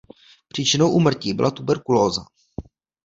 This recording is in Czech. Příčinou úmrtí byla tuberkulóza.